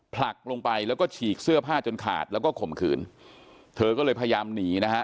ผลักลงไปแล้วก็ฉีกเสื้อผ้าจนขาดแล้วก็ข่มขืนเธอก็เลยพยายามหนีนะฮะ